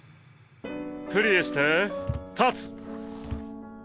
プリエして立つ。